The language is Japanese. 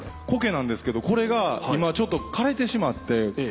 コケなんですけどこれが今ちょっと枯れてしまって。